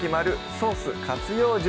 ソース活用術」